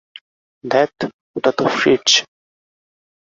ধ্যাত, ওটা তো ফ্রিটজ।